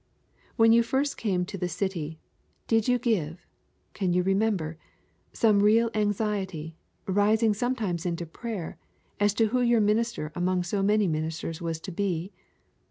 When you first came to the city, did you give, can you remember, some real anxiety, rising sometimes into prayer, as to who your minister among so many ministers was to be?